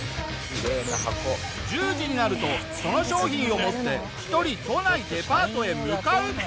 １０時になるとその商品を持って１人都内デパートへ向かう。